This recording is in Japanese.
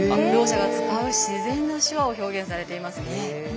ろう者が使う自然な手話を表現されていますね。